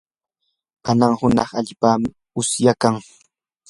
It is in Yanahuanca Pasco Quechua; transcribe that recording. kanan hunaq allaapam usyaykan.